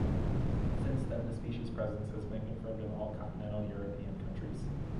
Since then, the species' presence has been confirmed in all continental European countries.